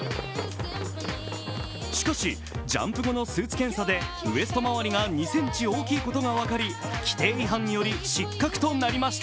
しかし、ジャンプ後のスーツ検査でウエスト周りが２ｃｍ大きいことが分かり規定違反により失格となりました。